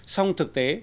song thực tế